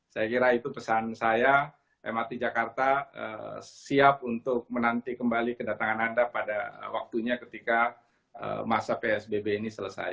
saya kira itu pesan saya mrt jakarta siap untuk menanti kembali kedatangan anda pada waktunya ketika masa psbb ini selesai